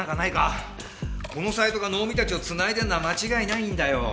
このサイトが能見たちを繋いでるのは間違いないんだよ。